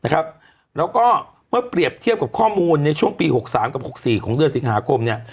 แล้วก็เมื่อเปรียบเทียบกับข้อมูลในช่วงปี๖๓กับ๖๔ของเดือนสิงหาคมเนี่ย